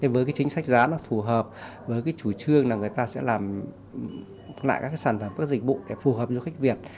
với chính sách giá phù hợp với chủ trương người ta sẽ làm lại các sản phẩm các dịch vụ để phù hợp du khách việt